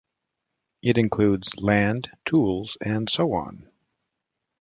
It includes land, tools, and so on.